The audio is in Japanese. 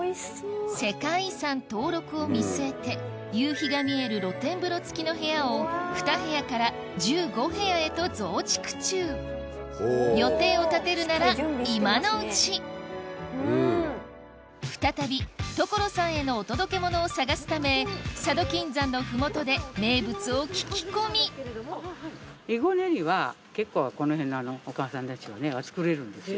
世界遺産登録を見据えて夕日が見える露天風呂付きの部屋を２部屋から１５部屋へと増築中予定を立てるなら今のうち再び所さんへのお届けモノを探すため佐渡金山の麓で名物を聞き込み結構この辺のお母さんたちはね作れるんですよ。